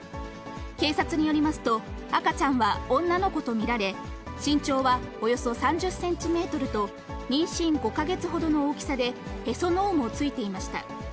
警察によりますと、赤ちゃんは女の子と見られ、身長はおよそ３０センチメートルと、妊娠５か月ほどの大きさで、へその緒もついていました。